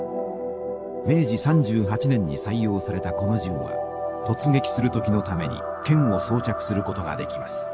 明治３８年に採用されたこの銃は突撃する時のために剣を装着することができます。